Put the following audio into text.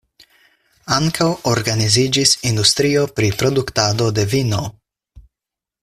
Ankaŭ organiziĝis industrio pri produktado de vino.